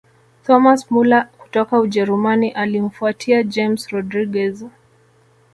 thomas muller kutoka ujerumani alimfuatia james rodriguez